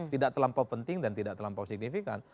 tidak terlampau penting dan tidak terlampau signifikan